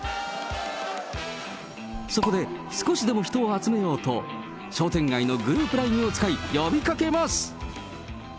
そこで、少しでも人を集めようと、商店街のグループＬＩＮＥを使い、呼びかけます。